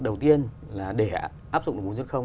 đầu tiên là để áp dụng